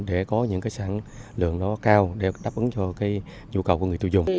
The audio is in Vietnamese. để có những sản lượng đó cao để đáp ứng cho nhu cầu của người tù dùng